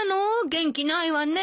元気ないわね。